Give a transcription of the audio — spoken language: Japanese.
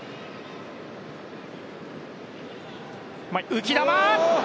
浮き球！